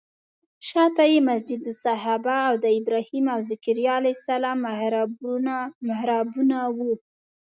شاته یې مسجد صحابه او د ابراهیم او ذکریا علیه السلام محرابونه وو.